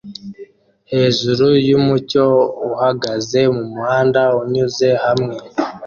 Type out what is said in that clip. hejuru yumucyo uhagaze mumuhanda unyuze hamwe